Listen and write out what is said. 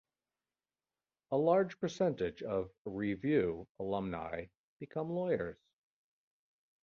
A large percentage of "Review" alumni become lawyers.